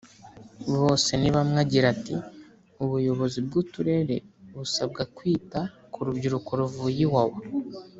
Bosenibamwe agira ati” Ubuyobozi bw’uturere busabwa kwita ku rubyiruko ruvuye Iwawa